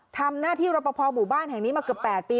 ทำหน้าที่รับประพอหมู่บ้านแห่งนี้มาเกือบ๘ปี